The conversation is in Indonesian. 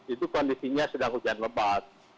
itu kondisinya sedang hujan lebat